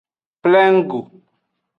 Plengo.